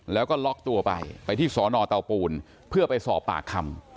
แล้วก็ล็อกตัวไปไปที่สอนอเตาปูนเพื่อไปสอบปากคำ